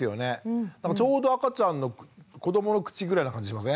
ちょうど赤ちゃんの子どもの口ぐらいな感じしません？